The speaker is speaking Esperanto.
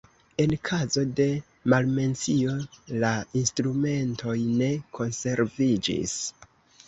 En kazo de malmencio la instrumentoj ne konserviĝis.